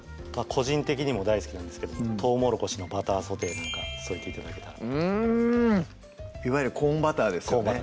個人的にも大好きなんですけどもとうもろこしのバターソテーなんか添えて頂けたらうんいわゆるコーンバターですよね